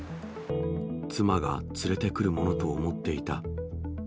妻が連れてくるものと思っていた。